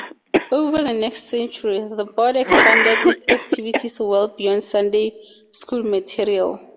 Over the next century, the board expanded its activities well beyond Sunday School material.